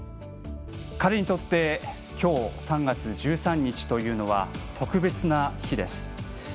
彼にとって今日、３月１３日は特別な日です。